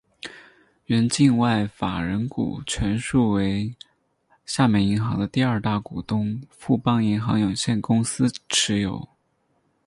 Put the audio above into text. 原境外法人股全数为厦门银行的第二大股东富邦银行有限公司持有。